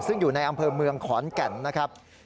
ซึ่งอยู่ในอำเภอเมืองขอนแก่นนะครับ